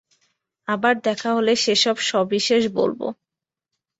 আবার দেখা হলে সে-সব সবিশেষ বলব।